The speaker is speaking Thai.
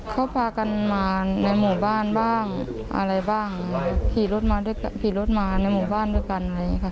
เขาพากันมาในหมู่บ้านบ้างอะไรบ้างขี่รถมาในหมู่บ้านด้วยกัน